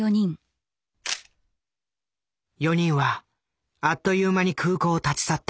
４人はあっという間に空港を立ち去った。